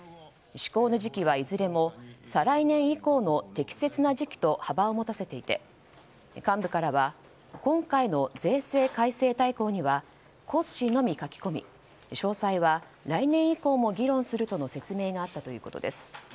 施行の時期はいずれも再来年以降の適切な時期と幅を持たせていて幹部からは今回の税制改正大綱には骨子のみ書き込み詳細は来年以降も議論するとの説明があったということです。